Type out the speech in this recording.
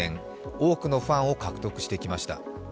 多くのファンを獲得してきました。